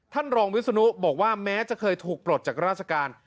ท่านรองวิศนุบอกว่าแม้จะเคยถูกปลดจากราชการ